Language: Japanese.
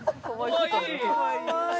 かわいい！